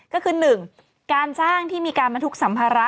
ก็คือ๑การจ้างที่มีการบรรทุกสัมภาระ